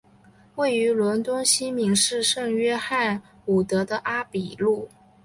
位于伦敦西敏市圣约翰伍德的阿比路。